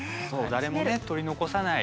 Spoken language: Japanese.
誰もね、取り残さない。